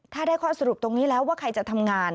ถ้าได้ข้อสรุปตรงนี้แล้วว่าใครจะทำงาน